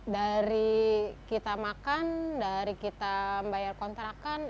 dari kita makan dari kita bayar kontrakan